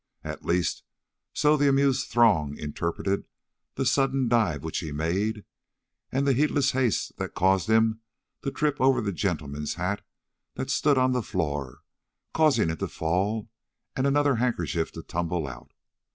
At least, so the amused throng interpreted the sudden dive which he made, and the heedless haste that caused him to trip over the gentleman's hat that stood on the floor, causing it to fall and another handkerchief to tumble out.